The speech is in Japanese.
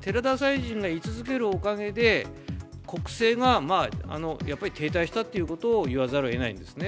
寺田大臣が居続けるおかげで、国政がやっぱり停滞したっていうことを言わざるをえないですね。